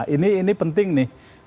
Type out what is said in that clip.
ini penting nih